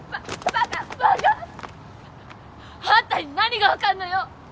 あんたに何がわかんのよ！